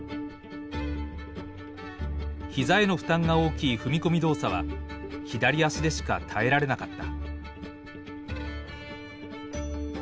膝への負担が大きい踏み込み動作は左足でしか耐えられなかった。